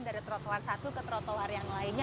dari trotoar satu ke trotoar yang lainnya